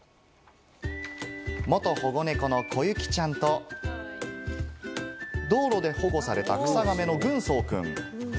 元保護猫の小雪ちゃんと道路で保護された、クサガメの軍曹くん。